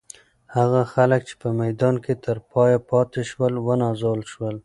هغه خلک چې په میدان کې تر پایه پاتې شول، ونازول شول.